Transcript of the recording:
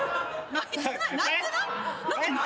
何か泣いてない？